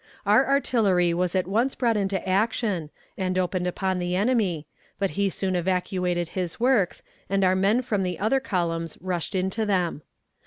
Our artillery was at once brought into action, and opened on the enemy, but he soon evacuated his works, and our men from the other columns rushed into them.